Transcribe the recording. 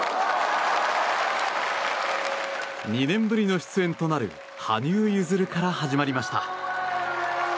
２年ぶりの出演となる羽生結弦から始まりました。